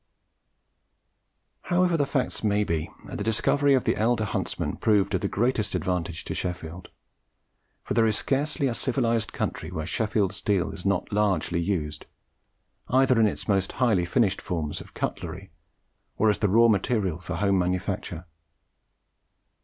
However the facts may be, the discovery of the elder Huntsman proved of the greatest advantage to Sheffield; for there is scarcely a civilized country where Sheffield steel is not largely used, either in its most highly finished forms of cutlery, or as the raw material for some home manufacture.